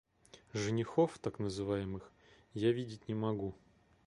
Женихов так называемых я видеть не могу.